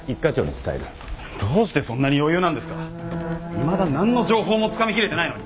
いまだ何の情報もつかみきれてないのに。